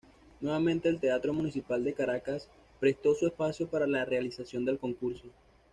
Nuevamente el Teatro Municipal de Caracas prestó su espacio para la realización del concurso.